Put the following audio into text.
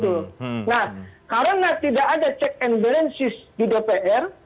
nah karena tidak ada check and balances di dpr